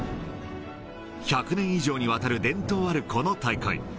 １００年以上にわたる伝統あるこの大会。